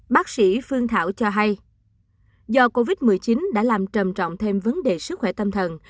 bác sĩ phương thảo cho hay do covid một mươi chín đã làm trầm trọng thêm vấn đề sức khỏe tâm thần